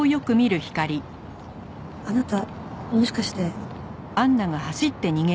あなたもしかして。